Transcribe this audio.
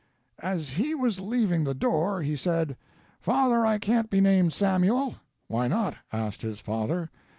"As he was leaving the door, he said: 'Father, I can't be named Samuel.' 'Why not?' asked his father.